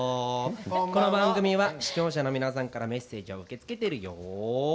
この番組は視聴者の皆さんからメッセージを受け付けてるよ。